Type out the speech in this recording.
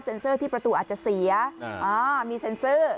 เซอร์ที่ประตูอาจจะเสียมีเซ็นเซอร์